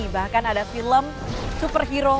bahkan ada film superhero